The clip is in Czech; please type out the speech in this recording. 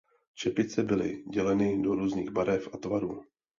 Čepice byly děleny do různých barev a tvarů.